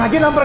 ya allah kang